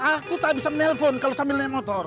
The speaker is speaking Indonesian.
aku tak bisa menelpon kalau sambil naik motor